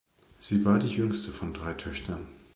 Sie war die jüngste von drei Töchtern.